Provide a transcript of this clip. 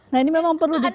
nah ini memang perlu dikari